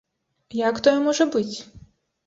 Як тое можа быць?